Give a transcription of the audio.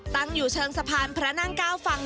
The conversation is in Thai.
ตั้งอยู่เชิงสะพานพระนั่ง๙ฝั่ง